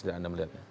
tidak anda melihatnya